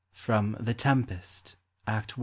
FROM " THE TEMPEST," ACT I.